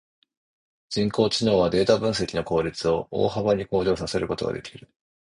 人工知能はデータ分析の効率を大幅に向上させることができる。